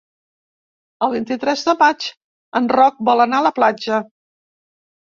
El vint-i-tres de maig en Roc vol anar a la platja.